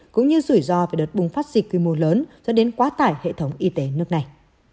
cũng như rủi ro về đợt bùng phát dịch quy mô lớn dẫn đến quá tải hệ thống y tế nước này